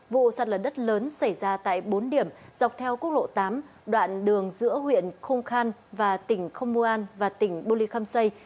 vụ sạt lở đất lớn xảy ra tại bốn điểm dọc theo quốc lộ tám đoạn đường giữa huyện khung khan và tỉnh khu mu an và tỉnh bô lê kham say